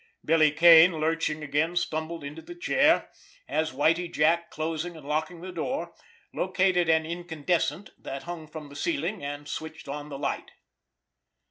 Billy Kane, lurching again, stumbled into the chair, as Whitie Jack, closing and locking the door, located an incandescent that hung from the ceiling, and switched on the light.